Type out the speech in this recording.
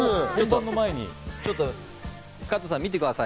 ちょっと加藤さん、見てください。